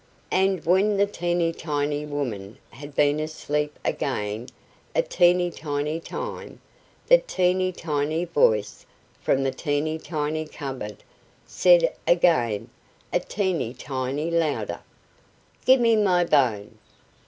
And when the teeny tiny woman had been asleep again a teeny tiny time, the teeny tiny voice from the teeny tiny cupboard said again a teeny tiny louder "GIVE ME MY BONE!"